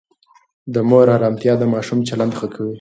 د مور آرامتیا د ماشوم چلند ښه کوي.